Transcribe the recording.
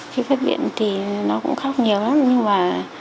khi phát viện thì nó cũng khóc nhiều lắm nhưng mà